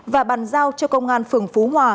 và bàn giao cho công an phường phú hòa